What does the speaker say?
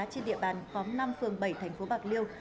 trên địa bàn khóm năm phường bảy thành phố bạc liêu